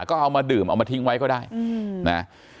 ก็เอามาดื่มเอามาทิ้งไว้ก็ได้นะ